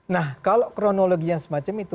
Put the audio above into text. nah kalau kronologi yang semacam itu